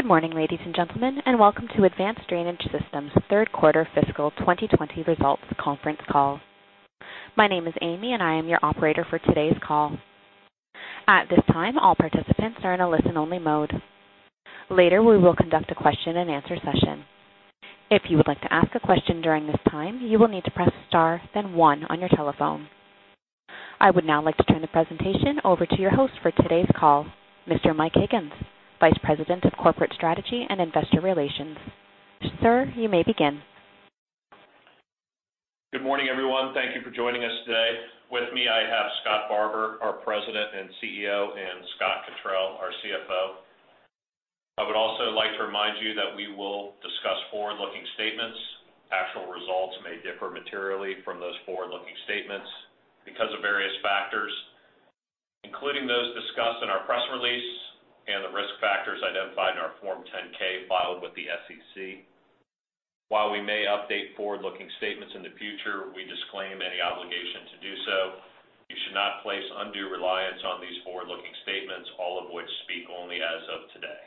Good morning, ladies and gentlemen, and welcome to Advanced Drainage Systems' third quarter fiscal 2020 results conference call. My name is Amy, and I am your operator for today's call. At this time, all participants are in a listen-only mode. Later, we will conduct a question-and-answer session. If you would like to ask a question during this time, you will need to press star, then one on your telephone. I would now like to turn the presentation over to your host for today's call, Mr. Mike Higgins, Vice President of Corporate Strategy and Investor Relations. Sir, you may begin. Good morning, everyone. Thank you for joining us today. With me, I have Scott Barbour, our President and CEO, and Scott Cottrill, our CFO. I would also like to remind you that we will discuss forward-looking statements. Actual results may differ materially from those forward-looking statements because of various factors, including those discussed in our press release and the risk factors identified in our Form 10-K filed with the SEC. While we may update forward-looking statements in the future, we disclaim any obligation to do so. You should not place undue reliance on these forward-looking statements, all of which speak only as of today.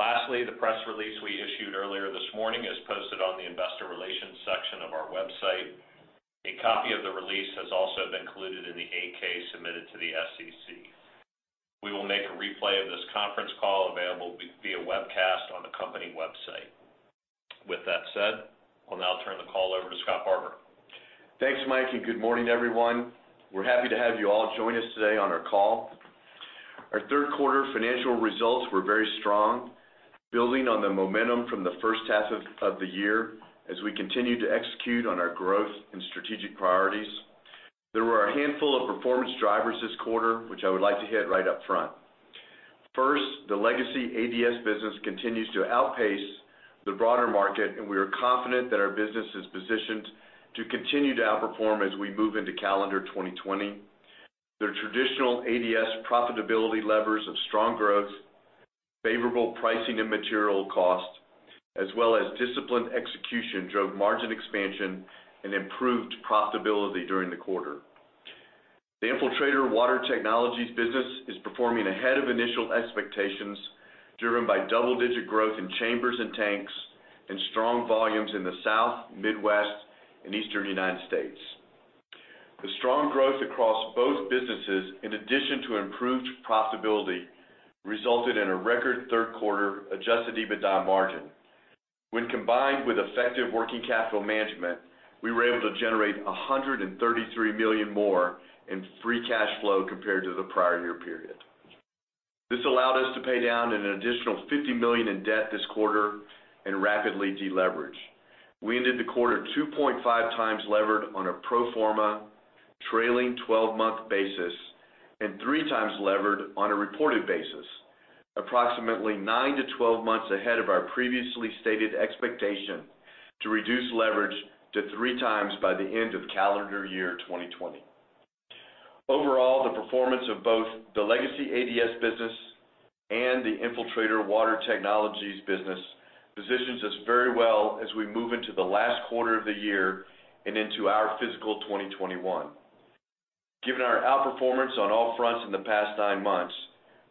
Lastly, the press release we issued earlier this morning is posted on the Investor Relations section of our website. A copy of the release has also been included in the 8-K submitted to the SEC. We will make a replay of this conference call available via webcast on the company website. With that said, I'll now turn the call over to Scott Barbour. Thanks, Mike, and good morning, everyone. We're happy to have you all join us today on our call. Our third quarter financial results were very strong, building on the momentum from the first half of the year as we continued to execute on our growth and strategic priorities. There were a handful of performance drivers this quarter, which I would like to hit right up front. First, the legacy ADS business continues to outpace the broader market, and we are confident that our business is positioned to continue to outperform as we move into calendar 2020. The traditional ADS profitability levers of strong growth, favorable pricing and material cost, as well as disciplined execution, drove margin expansion and improved profitability during the quarter. The Infiltrator Water Technologies business is performing ahead of initial expectations, driven by double-digit growth in chambers and tanks and strong volumes in the South, Midwest, and Eastern United States. The strong growth across both businesses, in addition to improved profitability, resulted in a record third quarter adjusted EBITDA margin. When combined with effective working capital management, we were able to generate $133 million more in free cash flow compared to the prior year period. This allowed us to pay down an additional $50 million in debt this quarter and rapidly deleverage. We ended the quarter 2.5x levered on a pro forma trailing 12-month basis and 3x levered on a reported basis, approximately nine to 12 months ahead of our previously stated expectation to reduce leverage to 3x by the end of calendar year 2020. Overall, the performance of both the legacy ADS business and the Infiltrator Water Technologies business positions us very well as we move into the last quarter of the year and into our fiscal 2021. Given our outperformance on all fronts in the past nine months,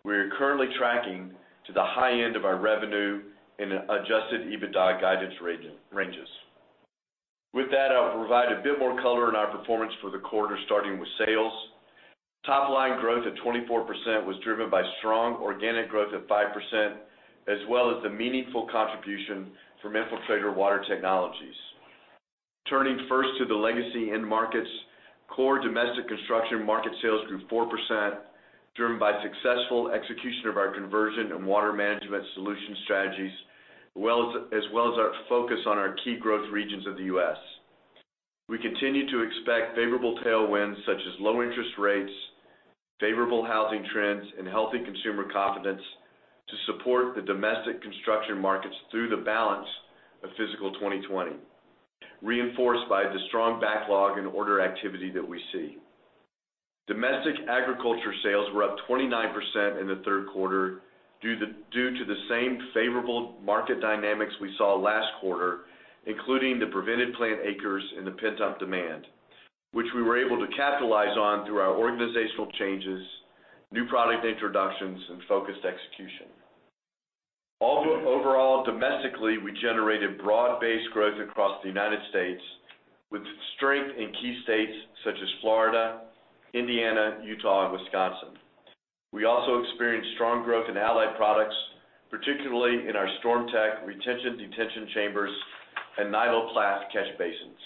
we are currently tracking to the high end of our revenue and adjusted EBITDA guidance range. With that, I'll provide a bit more color on our performance for the quarter, starting with sales. Top-line growth at 24% was driven by strong organic growth at 5%, as well as the meaningful contribution from Infiltrator Water Technologies. Turning first to the legacy end markets, core domestic construction market sales grew 4%, driven by successful execution of our conversion and water management solution strategies, as well as our focus on our key growth regions of the U.S. We continue to expect favorable tailwinds, such as low interest rates, favorable housing trends, and healthy consumer confidence to support the domestic construction markets through the balance of fiscal 2020, reinforced by the strong backlog and order activity that we see. Domestic agriculture sales were up 29% in the third quarter, due to the same favorable market dynamics we saw last quarter, including the prevent plant acres and the pent-up demand, which we were able to capitalize on through our organizational changes, new product introductions, and focused execution. Overall, domestically, we generated broad-based growth across the United States, with strength in key states such as Florida, Indiana, Utah, and Wisconsin. We also experienced strong growth in Allied Products, particularly in our StormTech retention detention chambers and Nyloplast catch basins,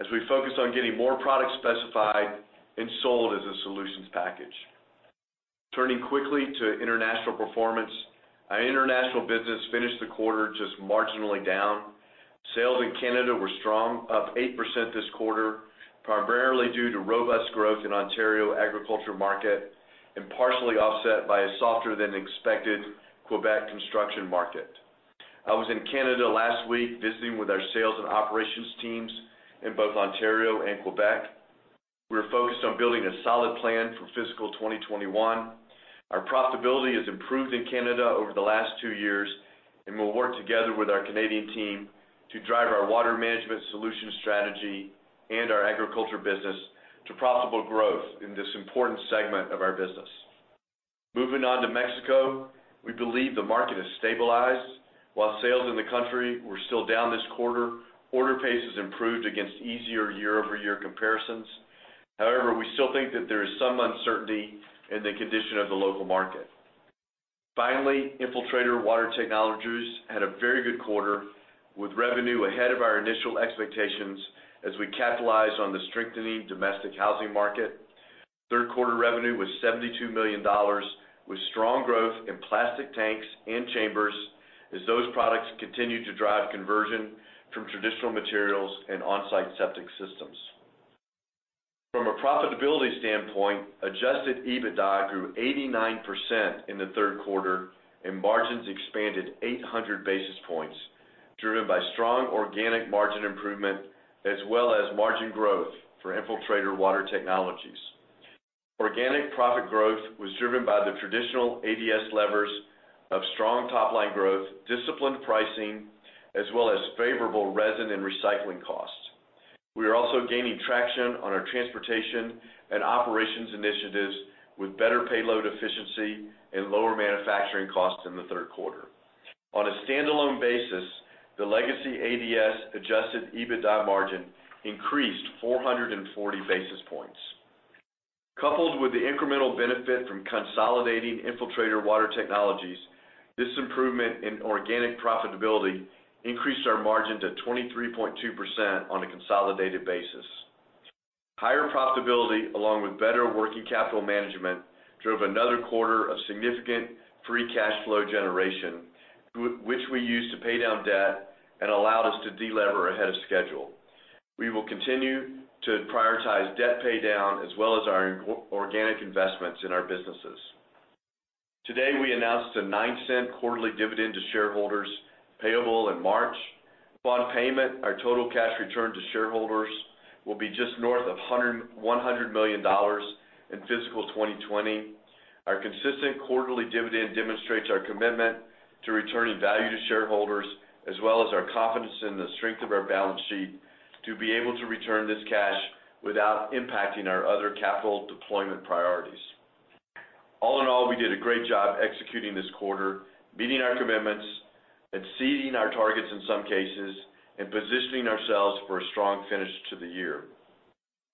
as we focused on getting more products specified and sold as a solutions package. Turning quickly to international performance. Our international business finished the quarter just marginally down. Sales in Canada were strong, up 8% this quarter, primarily due to robust growth in Ontario agriculture market and partially offset by a softer-than-expected Quebec construction market. I was in Canada last week, visiting with our sales and operations teams in both Ontario and Quebec. We're focused on building a solid plan for fiscal 2021. Our profitability has improved in Canada over the last two years and we'll work together with our Canadian team to drive our water management solution strategy and our agriculture business to profitable growth in this important segment of our business. Moving on to Mexico, we believe the market has stabilized. While sales in the country were still down this quarter, order pace has improved against easier year-over-year comparisons. However, we still think that there is some uncertainty in the condition of the local market. Finally, Infiltrator Water Technologies had a very good quarter, with revenue ahead of our initial expectations as we capitalize on the strengthening domestic housing market. Third quarter revenue was $72 million, with strong growth in plastic tanks and chambers, as those products continue to drive conversion from traditional materials and on-site septic systems. From a profitability standpoint, adjusted EBITDA grew 89% in the third quarter, and margins expanded 800 basis points, driven by strong organic margin improvement, as well as margin growth for Infiltrator Water Technologies. Organic profit growth was driven by the traditional ADS levers of strong top-line growth, disciplined pricing, as well as favorable resin and recycling costs. We are also gaining traction on our transportation and operations initiatives, with better payload efficiency and lower manufacturing costs in the third quarter. On a standalone basis, the legacy ADS adjusted EBITDA margin increased 440 basis points. Coupled with the incremental benefit from consolidating Infiltrator Water Technologies, this improvement in organic profitability increased our margin to 23.2% on a consolidated basis. Higher profitability, along with better working capital management, drove another quarter of significant free cash flow generation, which we used to pay down debt and allowed us to delever ahead of schedule. We will continue to prioritize debt paydown, as well as our organic investments in our businesses. Today, we announced a $0.09 quarterly dividend to shareholders, payable in March. Upon payment, our total cash return to shareholders will be just north of $100 million in fiscal 2020. Our consistent quarterly dividend demonstrates our commitment to returning value to shareholders, as well as our confidence in the strength of our balance sheet to be able to return this cash without impacting our other capital deployment priorities. All in all, we did a great job executing this quarter, meeting our commitments and exceeding our targets in some cases, and positioning ourselves for a strong finish to the year.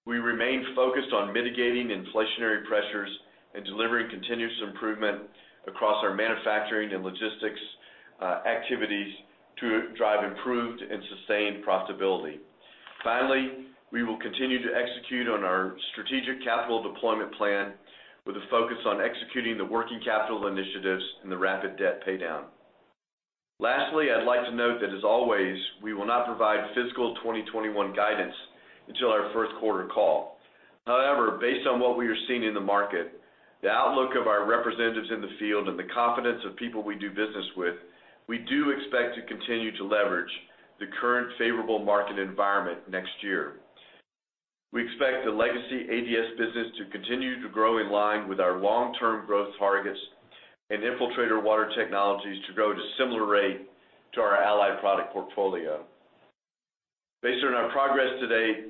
We remain focused on mitigating inflationary pressures and delivering continuous improvement across our manufacturing and logistics activities to drive improved and sustained profitability. Finally, we will continue to execute on our strategic capital deployment plan with a focus on executing the working capital initiatives and the rapid debt paydown. Lastly, I'd like to note that, as always, we will not provide fiscal 2021 guidance until our first quarter call. However, based on what we are seeing in the market, the outlook of our representatives in the field and the confidence of people we do business with, we do expect to continue to leverage the current favorable market environment next year. We expect the legacy ADS business to continue to grow in line with our long-term growth targets and Infiltrator Water Technologies to grow at a similar rate to our Allied Products portfolio. Based on our progress today,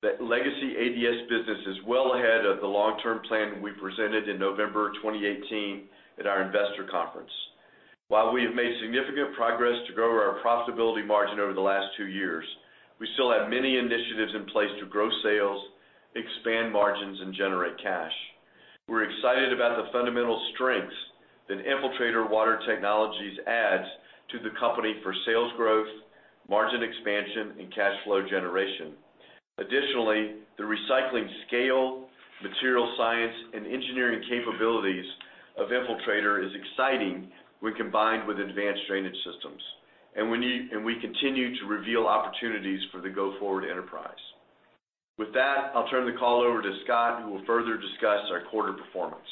the legacy ADS business is well ahead of the long-term plan we presented in November of 2018 at our investor conference. While we have made significant progress to grow our profitability margin over the last two years, we still have many initiatives in place to grow sales, expand margins, and generate cash. We're excited about the fundamental strengths that Infiltrator Water Technologies adds to the company for sales growth, margin expansion, and cash flow generation. Additionally, the recycling scale, material science, and engineering capabilities of Infiltrator is exciting when combined with Advanced Drainage Systems, and we continue to reveal opportunities for the go-forward enterprise. With that, I'll turn the call over to Scott, who will further discuss our quarter performance.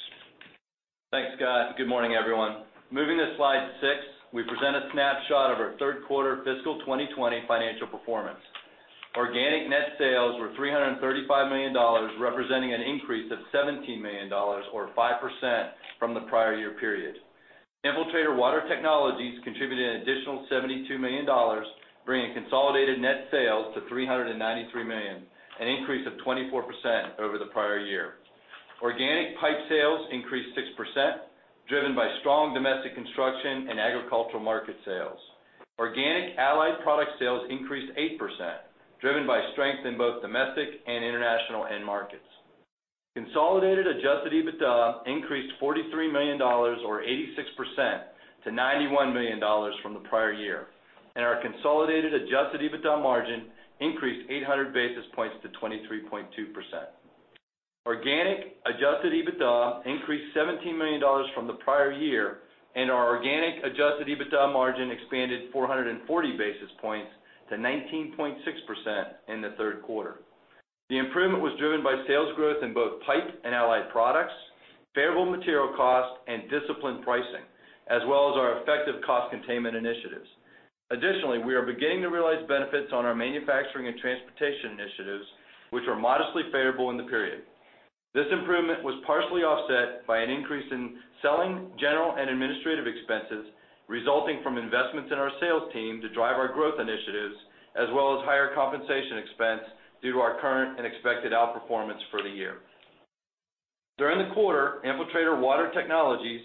Thanks, Scott. Good morning, everyone. Moving to Slide 6, we present a snapshot of our third quarter fiscal 2020 financial performance. Organic net sales were $335 million, representing an increase of $17 million, or 5% from the prior year period. Infiltrator Water Technologies contributed an additional $72 million, bringing consolidated net sales to $393 million, an increase of 24% over the prior year. Organic Pipe sales increased 6%, driven by strong domestic construction and agricultural market sales. Organic Allied Product sales increased 8%, driven by strength in both domestic and international end markets. Consolidated adjusted EBITDA increased $43 million, or 86% to $91 million from the prior year, and our consolidated adjusted EBITDA margin increased 800 basis points to 23.2%. Organic adjusted EBITDA increased $17 million from the prior year, and our organic adjusted EBITDA margin expanded 440 basis points to 19.6% in the third quarter. The improvement was driven by sales growth in both Pipe and Allied Products, favorable material costs, and disciplined pricing, as well as our effective cost containment initiatives. Additionally, we are beginning to realize benefits on our manufacturing and transportation initiatives, which were modestly favorable in the period. This improvement was partially offset by an increase in selling, general and administrative expenses, resulting from investments in our sales team to drive our growth initiatives, as well as higher compensation expense due to our current and expected outperformance for the year. During the quarter, Infiltrator Water Technologies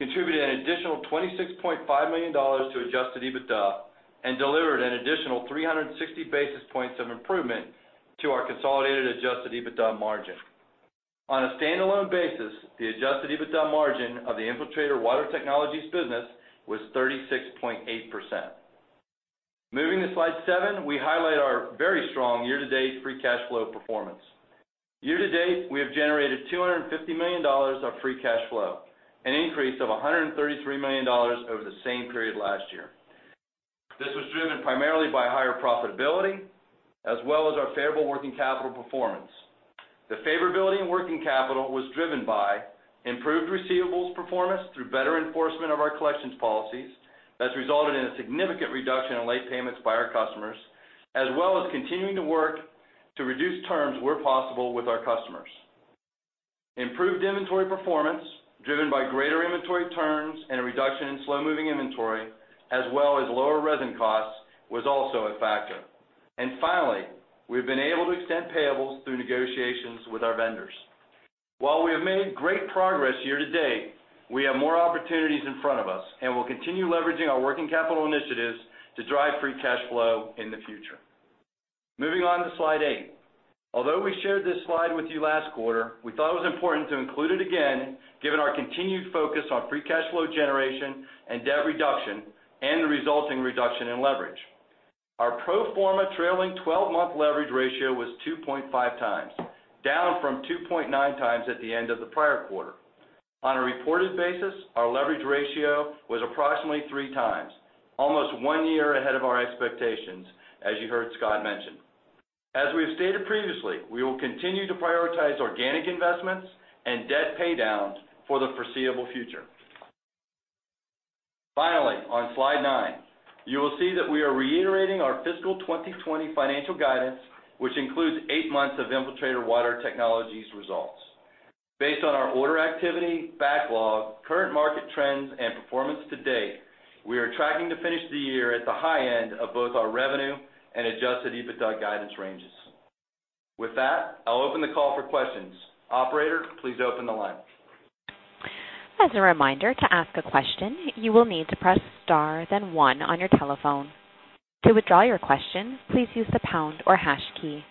contributed an additional $26.5 million to adjusted EBITDA and delivered an additional 360 basis points of improvement to our consolidated adjusted EBITDA margin. On a standalone basis, the adjusted EBITDA margin of the Infiltrator Water Technologies business was 36.8%. Moving to Slide 7, we highlight our very strong year-to-date free cash flow performance. Year-to-date, we have generated $250 million of free cash flow, an increase of $133 million over the same period last year. This was driven primarily by higher profitability as well as our favorable working capital performance. The favorability in working capital was driven by improved receivables performance through better enforcement of our collections policies. That's resulted in a significant reduction in late payments by our customers, as well as continuing to work to reduce terms where possible with our customers. Improved inventory performance, driven by greater inventory turns and a reduction in slow-moving inventory, as well as lower resin costs, was also a factor. And finally, we've been able to extend payables through negotiations with our vendors. While we have made great progress year-to-date, we have more opportunities in front of us, and we'll continue leveraging our working capital initiatives to drive free cash flow in the future. Moving on to Slide 8. Although we shared this slide with you last quarter, we thought it was important to include it again, given our continued focus on free cash flow generation and debt reduction and the resulting reduction in leverage. Our pro forma trailing twelve-month leverage ratio was 2.5x, down from 2.9x at the end of the prior quarter. On a reported basis, our leverage ratio was approximately 3x, almost one year ahead of our expectations, as you heard Scott mention. As we have stated previously, we will continue to prioritize organic investments and debt paydowns for the foreseeable future. Finally, on Slide 9, you will see that we are reiterating our fiscal 2020 financial guidance, which includes eight months of Infiltrator Water Technologies results. Based on our order activity, backlog, current market trends, and performance to date, we are tracking to finish the year at the high end of both our revenue and adjusted EBITDA guidance ranges. With that, I'll open the call for questions. Operator, please open the line. As a reminder, to ask a question, you will need to press star, then one on your telephone. To withdraw your question, please use the pound or hash key.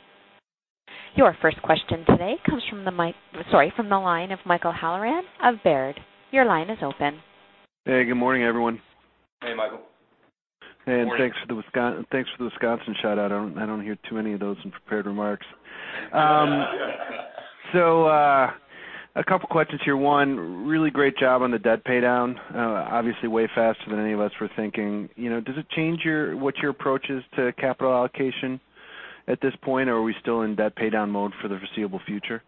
Your first question today comes from the mic, sorry, from the line of Michael Halloran of Baird. Your line is open. Hey, good morning, everyone. Hey, Michael. Thanks for the Wisconsin shout-out. I don't hear too many of those in prepared remarks. So, a couple questions here. One, really great job on the debt paydown. Obviously, way faster than any of us were thinking. You know, does it change your what your approach is to capital allocation at this point? Or are we still in debt paydown mode for the foreseeable future?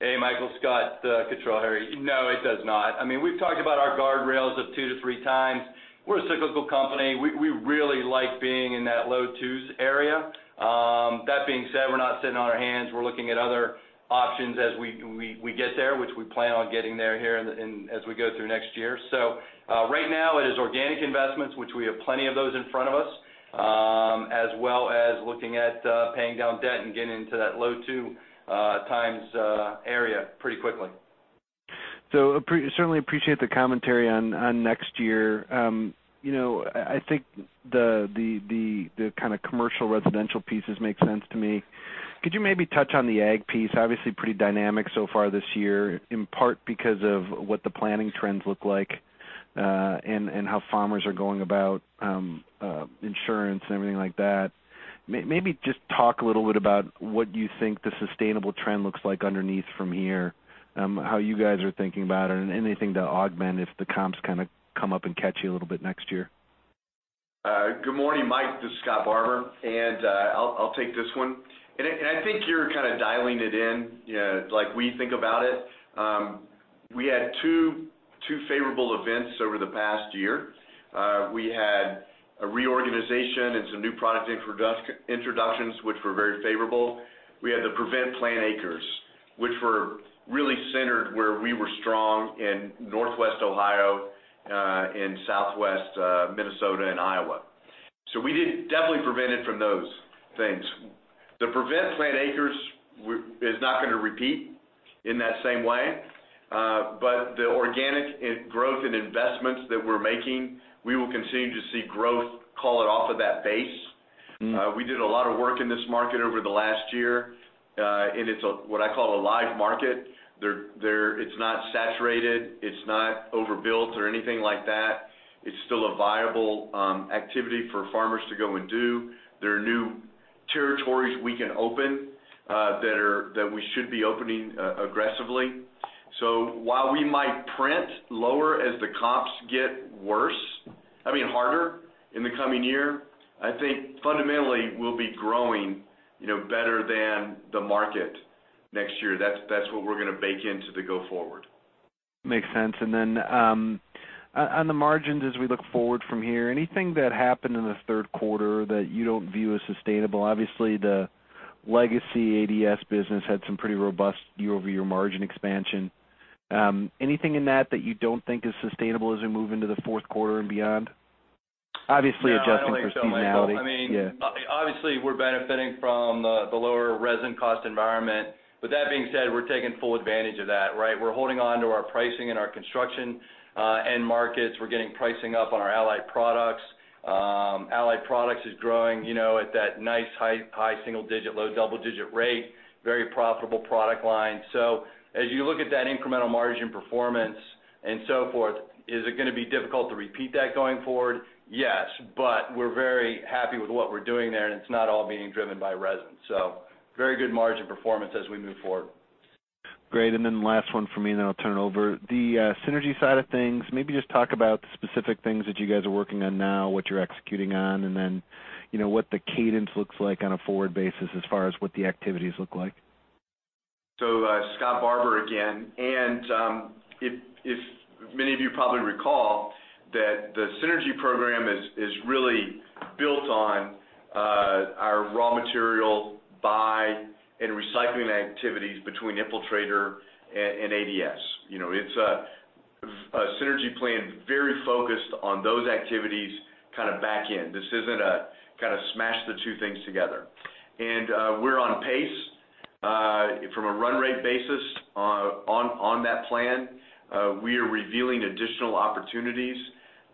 Hey, Michael, Scott Cottrill here. No, it does not. I mean, we've talked about our guardrails of two to three times. We're a cyclical company. We really like being in that low twos area. That being said, we're not sitting on our hands. We're looking at other options as we get there, which we plan on getting there here in, as we go through next year. So, right now, it is organic investments, which we have plenty of those in front of us, as well as looking at paying down debt and getting into that low two times area pretty quickly. Certainly appreciate the commentary on next year. You know, I think the kind of commercial residential pieces make sense to me. Could you maybe touch on the ag piece? Obviously, pretty dynamic so far this year, in part because of what the planning trends look like, and how farmers are going about insurance and everything like that? Maybe just talk a little bit about what you think the sustainable trend looks like underneath from here, how you guys are thinking about it, and anything to augment if the comps kind of come up and catch you a little bit next year? Good morning, Mike. This is Scott Barbour, and, I'll take this one. And I think you're kind of dialing it in, like we think about it. We had two favorable events over the past year. We had a reorganization and some new product introductions, which were very favorable. We had the prevent plant acres, which were really centered where we were strong in Northwest Ohio, in Southwest Minnesota and Iowa. So we did definitely prevented from those things. The prevent plant acres is not gonna repeat in that same way, but the organic growth and investments that we're making, we will continue to see growth call it off of that base. Mm. We did a lot of work in this market over the last year, and it's what I call a live market. It's not saturated, it's not overbuilt or anything like that. It's still a viable activity for farmers to go and do. There are new territories we can open that we should be opening aggressively. So while we might print lower as the comps get worse, I mean, harder in the coming year, I think fundamentally, we'll be growing, you know, better than the market next year. That's what we're gonna bake into the go forward.... Makes sense. And then, on the margins, as we look forward from here, anything that happened in the third quarter that you don't view as sustainable? Obviously, the legacy ADS business had some pretty robust year-over-year margin expansion. Anything in that that you don't think is sustainable as we move into the fourth quarter and beyond? Obviously, adjusting for seasonality. Yeah. I mean, obviously, we're benefiting from the lower resin cost environment. But that being said, we're taking full advantage of that, right? We're holding on to our pricing and our construction end markets. We're getting pricing up on our Allied Products. Allied Products is growing, you know, at that nice high single digit, low double-digit rate, very profitable product line. So as you look at that incremental margin performance and so forth, is it gonna be difficult to repeat that going forward? Yes, but we're very happy with what we're doing there, and it's not all being driven by resin. So very good margin performance as we move forward. Great and then last one for me, and then I'll turn it over. The synergy side of things, maybe just talk about the specific things that you guys are working on now, what you're executing on, and then, you know, what the cadence looks like on a forward basis as far as what the activities look like? Scott Barbour again, and if many of you probably recall that the synergy program is really built on our raw material buy and recycling activities between Infiltrator and ADS. You know, it's a synergy plan, very focused on those activities, kind of back end. This isn't a kind of smash the two things together. And we're on pace from a run rate basis on that plan. We are revealing additional opportunities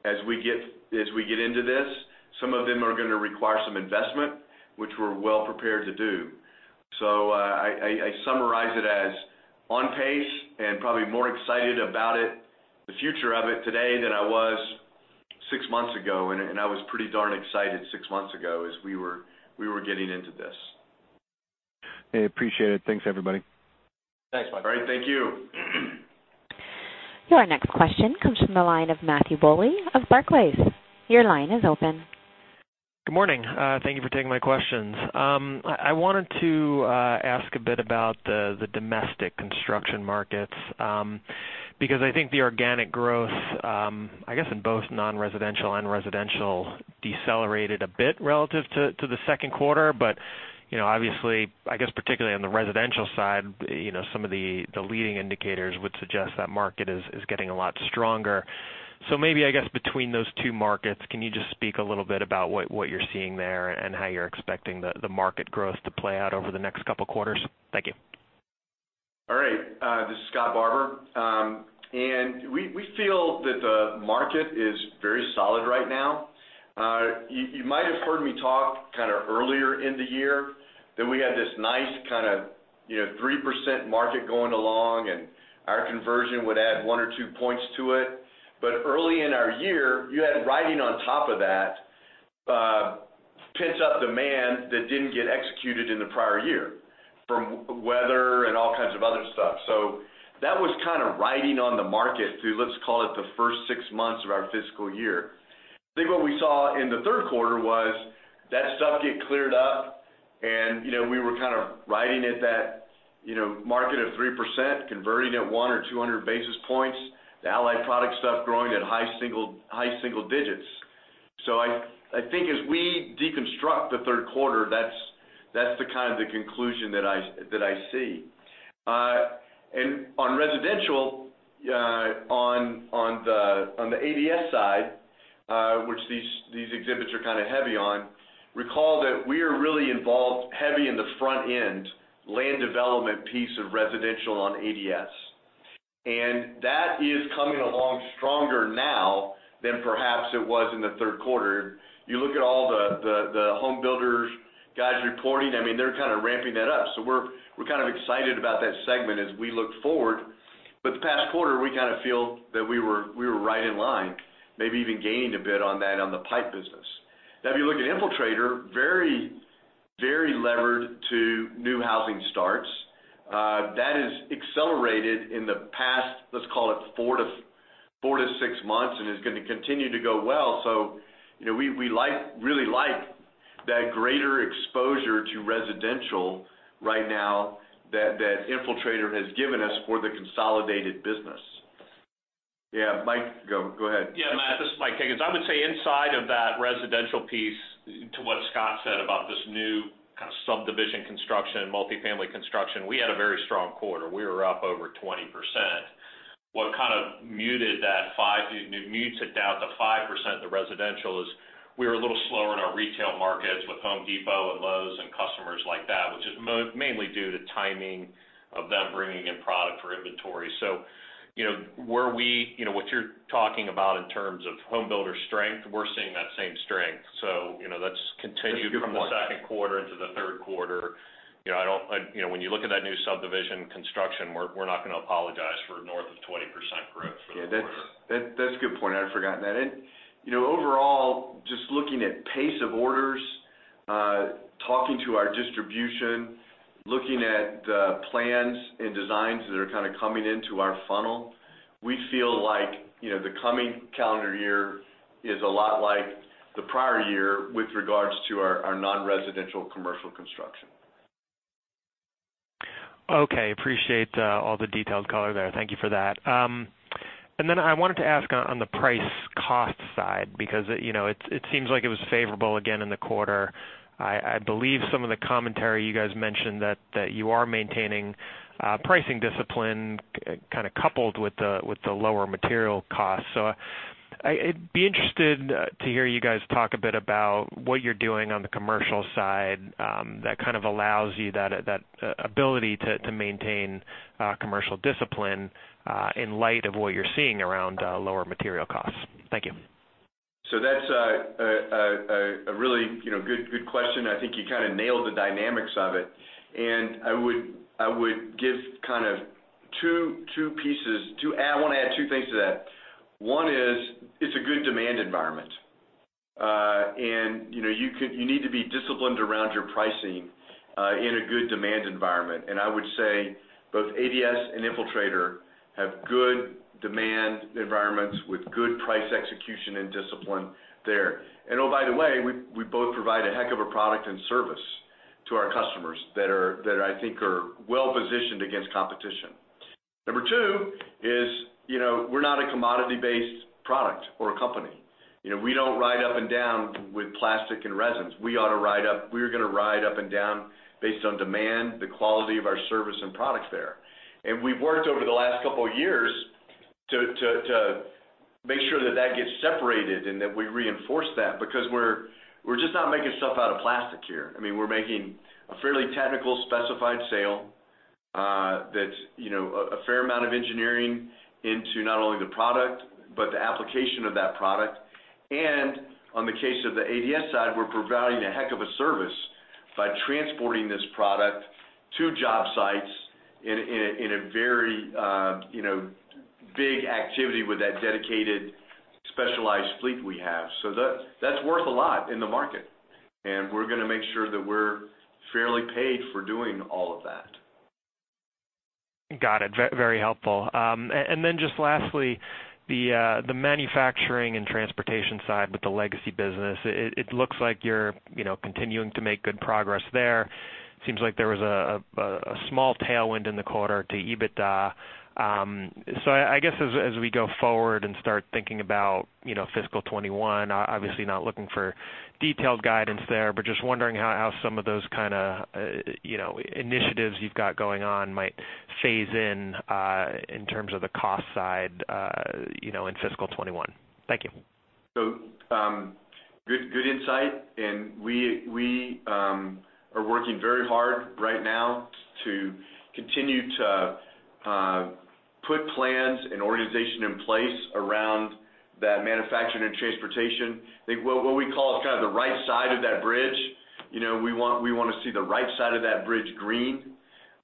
as we get into this. Some of them are gonna require some investment, which we're well prepared to do. I summarize it as on pace and probably more excited about it, the future of it, today than I was six months ago, and I was pretty darn excited six months ago as we were getting into this. Hey, appreciate it. Thanks, everybody. Thanks, Michael. All right. Thank you. Your next question comes from the line of Matthew Bouley of Barclays. Your line is open. Good morning. Thank you for taking my questions. I wanted to ask a bit about the domestic construction markets, because I think the organic growth, I guess, in both non-residential and residential, decelerated a bit relative to the second quarter. But, you know, obviously, I guess, particularly on the residential side, you know, some of the leading indicators would suggest that market is getting a lot stronger. So maybe, I guess, between those two markets, can you just speak a little bit about what you're seeing there and how you're expecting the market growth to play out over the next couple of quarters? Thank you. All right. This is Scott Barbour. And we feel that the market is very solid right now. You might have heard me talk kind of earlier in the year that we had this nice kind of, you know, 3% market going along, and our conversion would add one or two points to it. But early in our year, you had riding on top of that, pent-up demand that didn't get executed in the prior year, from weather and all kinds of other stuff. So that was kind of riding on the market through, let's call it, the first six months of our fiscal year. I think what we saw in the third quarter was that stuff get cleared up, and, you know, we were kind of riding at that, you know, market of 3%, converting at one or 200 basis points, the Allied Products stuff growing at high single digits. So I think as we deconstruct the third quarter, that's the kind of the conclusion that I see. And on residential, on the ADS side, which these exhibits are kind of heavy on, recall that we are really involved heavy in the front end land development piece of residential on ADS, and that is coming along stronger now than perhaps it was in the third quarter. You look at all the home builders, guys reporting, I mean, they're kind of ramping that up. So we're kind of excited about that segment as we look forward. But the past quarter, we kind of feel that we were right in line, maybe even gaining a bit on that on the Pipe business. Now, if you look at Infiltrator, very, very levered to new housing starts. That has accelerated in the past, let's call it four to six months, and is gonna continue to go well. So, you know, we really like that greater exposure to residential right now that Infiltrator has given us for the consolidated business. Yeah, Mike, go ahead. Yeah, Matt, this is Mike Higgins. I would say inside of that residential piece, to what Scott said about this new kind of subdivision construction, multifamily construction, we had a very strong quarter. We were up over 20%. What muted that mutes it down to 5%, the residential, is we were a little slower in our retail markets with Home Depot and Lowe's and customers like that, which is mainly due to timing of them bringing in product for inventory. So you know, what you're talking about in terms of home builder strength, we're seeing that same strength. So, you know, that's continued- That's a good point. from the second quarter into the third quarter. You know, I don't, you know, when you look at that new subdivision construction, we're not gonna apologize for north of 20% growth for the quarter. Yeah, that's, that, that's a good point. I'd forgotten that. And, you know, overall, just looking at pace of orders, talking to our distribution, looking at plans and designs that are kind of coming into our funnel, we feel like, you know, the coming calendar year is a lot like the prior year with regards to our, our non-residential commercial construction.... Okay, appreciate, all the detailed color there. Thank you for that. And then I wanted to ask on, on the price cost side, because, you know, it seems like it was favorable again in the quarter. I believe some of the commentary you guys mentioned that you are maintaining, pricing discipline, kind of coupled with the, with the lower material costs. So I'd be interested to hear you guys talk a bit about what you're doing on the commercial side, that kind of allows you that ability to maintain, commercial discipline, in light of what you're seeing around, lower material costs? Thank you. That's a really, you know, good, good question. I think you kind of nailed the dynamics of it. And I would give kind of two pieces. I want to add two things to that. One is, it's a good demand environment. And you need to be disciplined around your pricing in a good demand environment. And I would say both ADS and Infiltrator have good demand environments with good price execution and discipline there. And oh, by the way, we both provide a heck of a product and service to our customers that I think are well-positioned against competition. Number two is, you know, we're not a commodity-based product or a company. You know, we don't ride up and down with plastic and resins. We ought to ride up. We're going to ride up and down based on demand, the quality of our service and products there. And we've worked over the last couple of years to make sure that that gets separated and that we reinforce that because we're just not making stuff out of plastic here. I mean, we're making a fairly technical, specified sale, that's you know, a fair amount of engineering into not only the product, but the application of that product. And on the case of the ADS side, we're providing a heck of a service by transporting this product to job sites in a very big activity with that dedicated, specialized fleet we have. So that's worth a lot in the market, and we're going to make sure that we're fairly paid for doing all of that. Got it. Very helpful, and then just lastly, the manufacturing and transportation side with the legacy business, it looks like you're, you know, continuing to make good progress there. Seems like there was a small tailwind in the quarter to EBITDA. So I guess, as we go forward and start thinking about, you know, fiscal 2021, obviously, not looking for detailed guidance there, but just wondering how some of those kind of, you know, initiatives you've got going on might phase in, in terms of the cost side, you know, in fiscal 2021. Thank you. So, good insight, and we are working very hard right now to continue to put plans and organization in place around that manufacturing and transportation. I think what we call kind of the right side of that bridge, you know, we want to see the right side of that bridge green,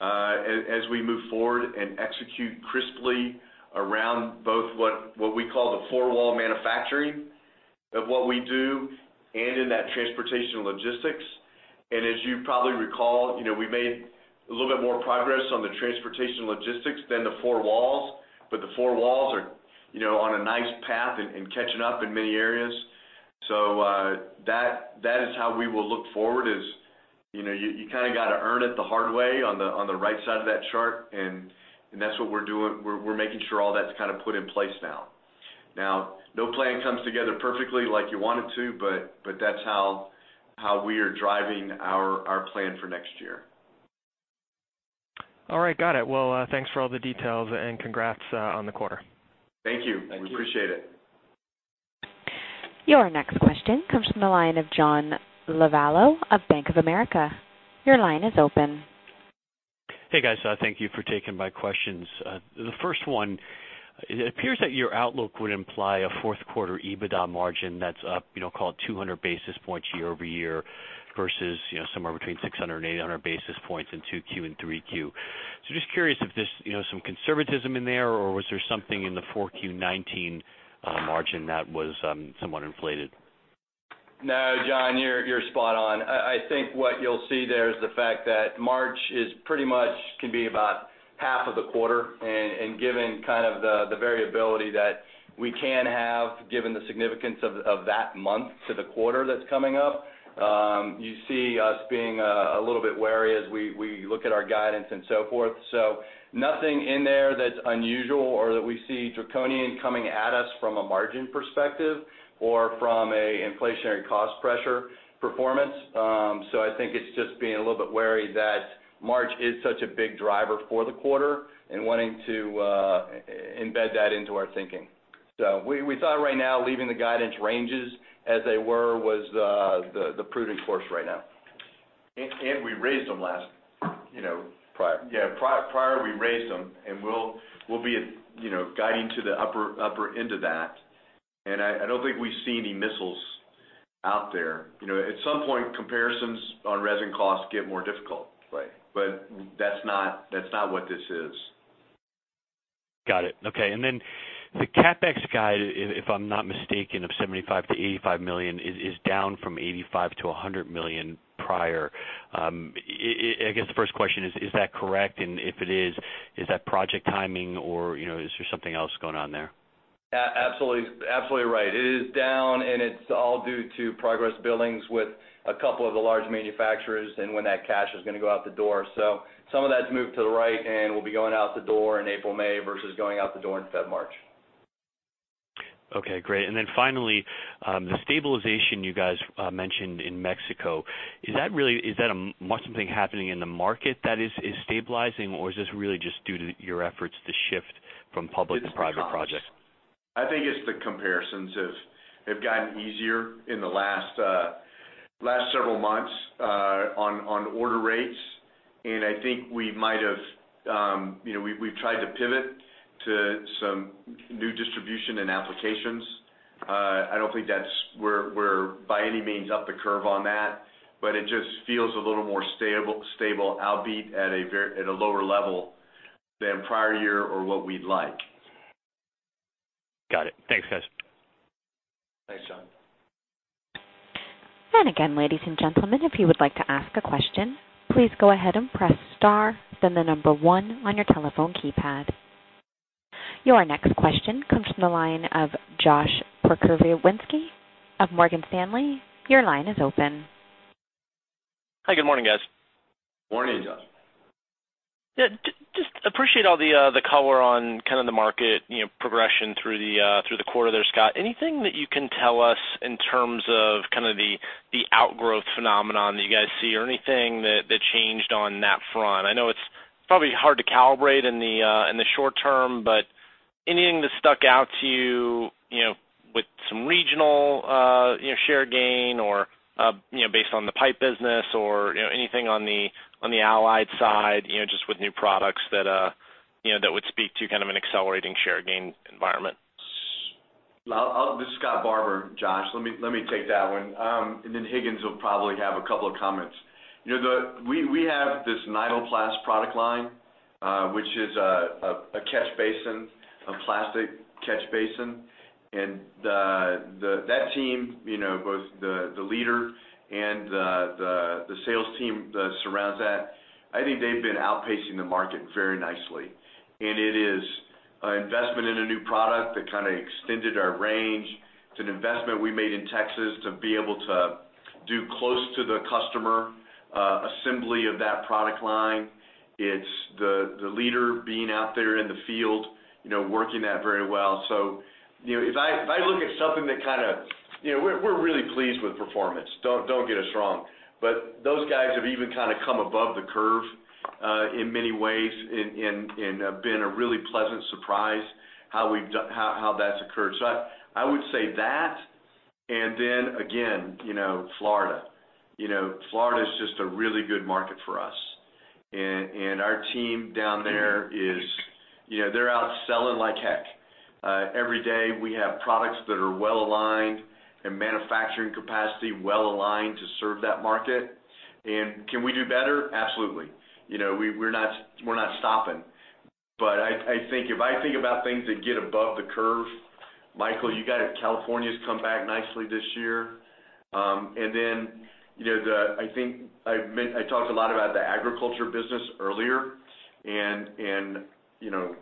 as we move forward and execute crisply around both what we call the four-wall manufacturing of what we do and in that transportation logistics. And as you probably recall, you know, we made a little bit more progress on the transportation logistics than the four walls, but the four walls are, you know, on a nice path and catching up in many areas. That is how we will look forward. You know, you kind of got to earn it the hard way on the right side of that chart, and that's what we're doing. We're making sure all that's kind of put in place now. Now, no plan comes together perfectly like you want it to, but that's how we are driving our plan for next year. All right, got it. Well, thanks for all the details, and congrats on the quarter. Thank you. Thank you. We appreciate it. Your next question comes from the line of John Lovallo of Bank of America. Your line is open. Hey, guys, thank you for taking my questions. The first one, it appears that your outlook would imply a fourth quarter EBITDA margin that's up, you know, call it two hundred basis points year-over-year versus, you know, somewhere between 600 and 800 basis points in 2Q and 3Q. So just curious if there's, you know, some conservatism in there, or was there something in the 4Q 2019 margin that was somewhat inflated? No, John, you're spot on. I think what you'll see there is the fact that March is pretty much can be about half of the quarter, and given kind of the variability that we can have, given the significance of that month to the quarter that's coming up, you see us being a little bit wary as we look at our guidance and so forth. So nothing in there that's unusual or that we see draconian coming at us from a margin perspective or from a inflationary cost pressure performance. So I think it's just being a little bit wary that March is such a big driver for the quarter and wanting to embed that into our thinking. So we thought right now, leaving the guidance ranges as they were was the prudent course right now. And we raised them last, you know- Prior. Yeah, prior we raised them, and we'll be at, you know, guiding to the upper end of that, and I don't think we see any missiles out there, you know. At some point, comparisons on resin costs get more difficult. Right. But that's not, that's not what this is. Got it. Okay, and then the CapEx guide, if I'm not mistaken, of $75 million-$85 million, is down from $85 million-$100 million prior. I guess the first question is: Is that correct? And if it is, is that project timing or, you know, is there something else going on there?... Absolutely, absolutely right. It is down, and it's all due to progress billings with a couple of the large manufacturers and when that cash is gonna go out the door. So some of that's moved to the right, and will be going out the door in April, May, versus going out the door in February, March. Okay, great. And then finally, the stabilization you guys mentioned in Mexico, is that really something happening in the market that is stabilizing, or is this really just due to your efforts to shift from public to private projects? I think it's the comparisons have gotten easier in the last several months on order rates. And I think we might have, you know, we've tried to pivot to some new distribution and applications. I don't think that we're by any means up the curve on that, but it just feels a little more stable, upbeat at a lower level than prior year or what we'd like. Got it. Thanks, guys. Thanks, John. And again, ladies and gentlemen, if you would like to ask a question, please go ahead and press star, then the number one on your telephone keypad. Your next question comes from the line of Josh Pokrzywinski of Morgan Stanley. Your line is open. Hi, good morning, guys. Morning, Josh. Yeah, just appreciate all the, the color on kind of the market, you know, progression through the quarter there, Scott. Anything that you can tell us in terms of kind of the, the outgrowth phenomenon that you guys see or anything that, that changed on that front? I know it's probably hard to calibrate in the short term, but anything that stuck out to you, you know, with some regional, you know, share gain or, you know, based on the Pipe business or, you know, anything on the, on the allied side, you know, just with new products that, you know, that would speak to kind of an accelerating share gain environment? This is Scott Barbour, Josh. Let me, let me take that one. And then Higgins will probably have a couple of comments. You know, we have this Nyloplast product line, which is a catch basin, a plastic catch basin. And that team, you know, both the leader and the sales team that surrounds that, I think they've been outpacing the market very nicely. And it is an investment in a new product that kind of extended our range. It's an investment we made in Texas to be able to do close to the customer assembly of that product line. It's the leader being out there in the field, you know, working that very well. So, you know, if I look at something that kind of... You know, we're really pleased with performance. Don't get us wrong. But those guys have even kind of come above the curve in many ways and have been a really pleasant surprise, how that's occurred. So I would say that, and then again, you know, Florida. You know, Florida is just a really good market for us. And our team down there is, you know, they're out selling like heck. Every day, we have products that are well aligned and manufacturing capacity well aligned to serve that market. And can we do better? Absolutely. You know, we're not, we're not stopping. But I think about things that get above the curve, Michael, you got it, California's come back nicely this year. And then, you know, I think I've talked a lot about the agriculture business earlier, and, you know,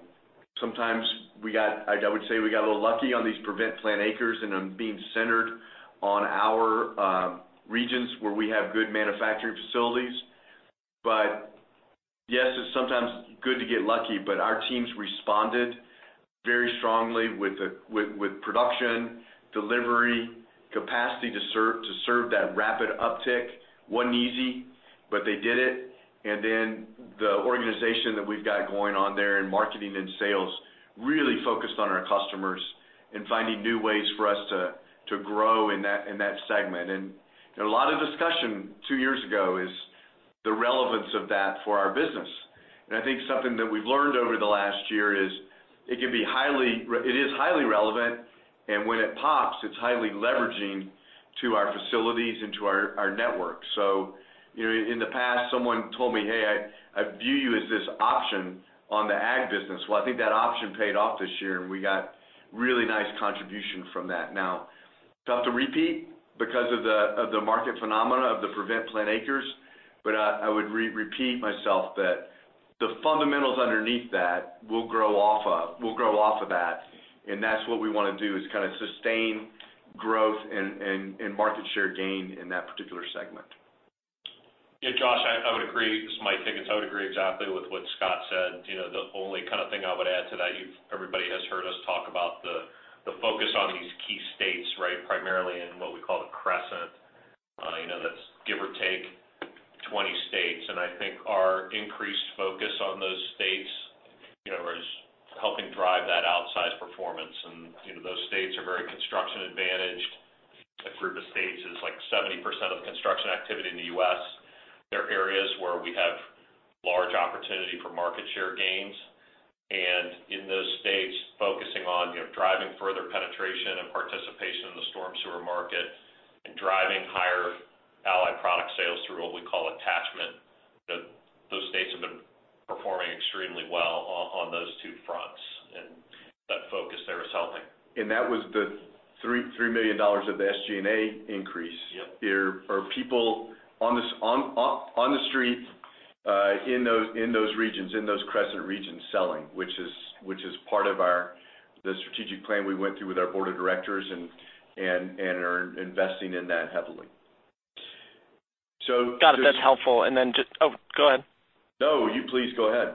sometimes, I would say, we got a little lucky on these prevent plant acres and them being centered on our regions where we have good manufacturing facilities. But yes, it's sometimes good to get lucky, but our teams responded very strongly with production, delivery, capacity to serve that rapid uptick. Wasn't easy, but they did it. And then the organization that we've got going on there in marketing and sales, really focused on our customers and finding new ways for us to grow in that segment. And a lot of discussion two years ago is the relevance of that for our business. And I think something that we've learned over the last year is it can be highly relevant. It is highly relevant, and when it pops, it's highly leveraging to our facilities and to our network. So, you know, in the past, someone told me, "Hey, I view you as this option on the ag business." Well, I think that option paid off this year, and we got really nice contribution from that. Now, do I have to repeat because of the market phenomena of the prevent plant acres? But I would repeat myself that the fundamentals underneath that will grow off of that, and that's what we wanna do, is kind of sustain growth and market share gain in that particular segment. Yeah, Josh, I would agree. This is Mike Higgins. I would agree exactly with what Scott said. You know, the only kind of thing I would add to that, everybody has heard us talk about the focus on these key states, right? Primarily in what we call the Crescent. You know, that's give or take 20 states. And I think our increased focus on those states, you know, is helping drive that outsized performance. And, you know, those states are very construction advantaged. That group of states is, like, 70% of the construction activity in the U.S. There are areas where we have large opportunity for market share gains. And in those states, focusing on, you know, driving further penetration and participation in the storm sewer market and driving higher Allied Product sales through what we call attachment. Those states have been performing extremely well on those two fronts, and that focus there is helping. And that was the $3.3 million of the SG&A increase- Yep. There are people on the street in those regions, in those Crescent regions selling, which is part of our strategic plan we went through with our board of directors and are investing in that heavily. So Got it, that's helpful. And then just-- Oh, go ahead. No, you please go ahead.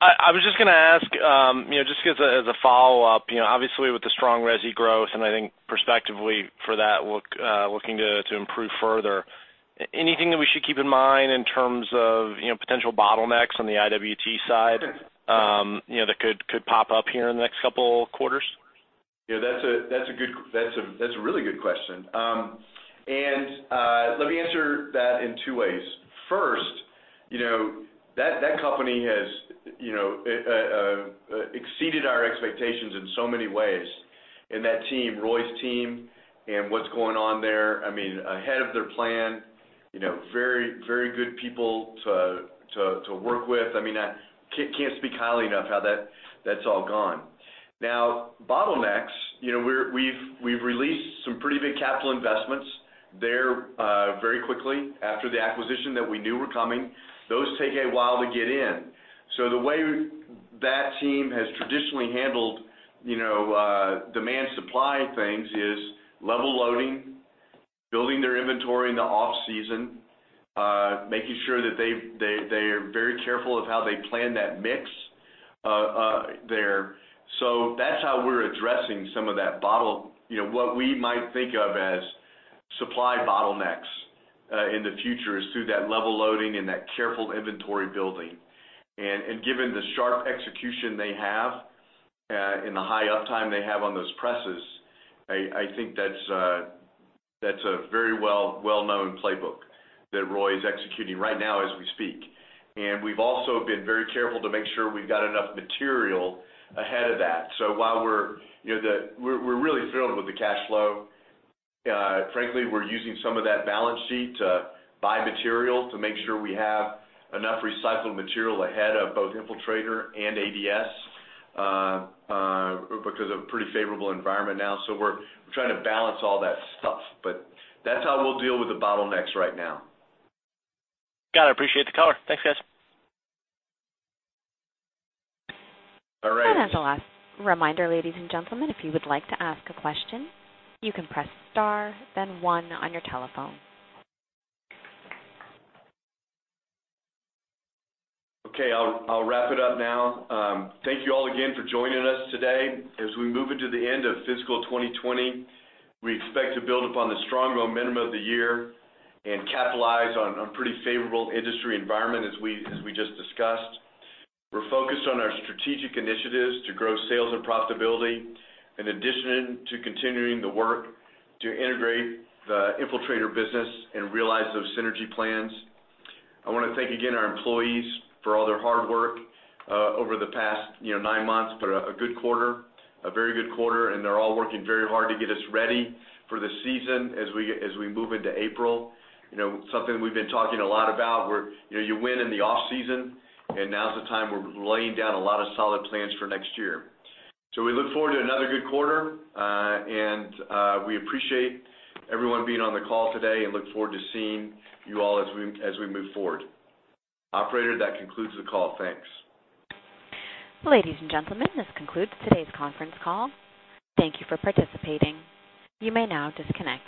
I was just gonna ask, you know, just as a follow-up, you know, obviously, with the strong resi growth, and I think prospectively for that, looking to improve further. Anything that we should keep in mind in terms of, you know, potential bottlenecks on the IWT side, you know, that could pop up here in the next couple quarters? Yeah, that's a really good question. And let me answer that in two ways. First, you know, that company has, you know, exceeded our expectations in so many ways. And that team, Roy's team, and what's going on there, I mean, ahead of their plan, you know, very good people to work with. I mean, I can't speak highly enough how that's all gone. Now, bottlenecks, you know, we've released some pretty big capital investments there very quickly after the acquisition that we knew were coming. Those take a while to get in. So the way that team has traditionally handled, you know, demand, supply things is level loading, building their inventory in the off-season, making sure that they are very careful of how they plan that mix there. So that's how we're addressing some of that. You know, what we might think of as supply bottlenecks in the future is through that level loading and that careful inventory building. And given the sharp execution they have and the high uptime they have on those presses, I think that's a very well-known playbook that Roy is executing right now as we speak. And we've also been very careful to make sure we've got enough material ahead of that. So while we're, you know, we're really thrilled with the cash flow, frankly, we're using some of that balance sheet to buy material, to make sure we have enough recycled material ahead of both Infiltrator and ADS, because of a pretty favorable environment now. So we're trying to balance all that stuff, but that's how we'll deal with the bottlenecks right now. Got it. I appreciate the color. Thanks, guys. All right. As a last reminder, ladies and gentlemen, if you would like to ask a question, you can press star, then one on your telephone. Okay, I'll wrap it up now. Thank you all again for joining us today. As we move into the end of fiscal 2020, we expect to build upon the strong momentum of the year and capitalize on pretty favorable industry environment as we just discussed. We're focused on our strategic initiatives to grow sales and profitability, in addition to continuing the work to integrate the Infiltrator business and realize those synergy plans. I wanna thank again our employees for all their hard work over the past, you know, nine months. But a good quarter, a very good quarter, and they're all working very hard to get us ready for the season as we move into April. You know, something we've been talking a lot about, where, you know, you win in the off-season, and now's the time we're laying down a lot of solid plans for next year. So we look forward to another good quarter, and we appreciate everyone being on the call today and look forward to seeing you all as we move forward. Operator, that concludes the call. Thanks. Ladies and gentlemen, this concludes today's conference call. Thank you for participating. You may now disconnect.